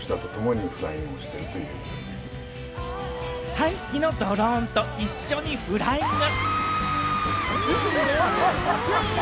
３機のドローンと一緒にフライング！